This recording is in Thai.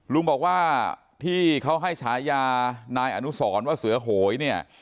ลุงบอกว่าที่เขาให้ฉายานายอนุสรว่าเสือโหยเนี่ย